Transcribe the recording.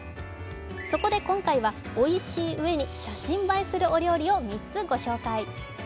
そこで今回はおいしいうえに写真映えするお料理を３つ御紹介。